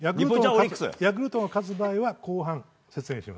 ヤクルトが勝つ場合は後半。